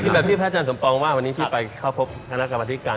แบบที่พระอาจารย์สมปองว่าวันนี้ที่ไปเข้าพบคณะกรรมธิการ